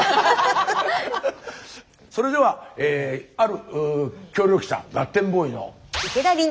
それではある協力者ガッテンボーイの。